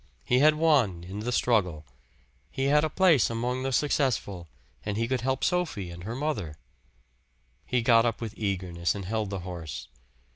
He had won in the struggle. He had a place among the successful, and he could help Sophie and her mother. He got up with eagerness, and held the horse.